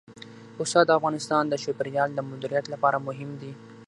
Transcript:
پسه د افغانستان د چاپیریال د مدیریت لپاره مهم دي.